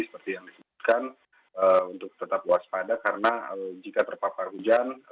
seperti yang disebutkan untuk tetap waspada karena jika terpapar hujan